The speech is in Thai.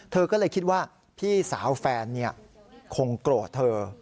เธอก็เลยคิดว่าพี่สาวแฟนคงโกรธเธอ